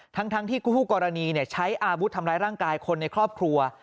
ทั้งที่คู่กรณีใช้อาวุธทำร้ายร่างกายคนในครอบครัว